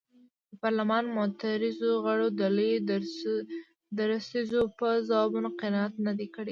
د پارلمان معترضو غړو د لوی درستیز په ځوابونو قناعت نه دی کړی.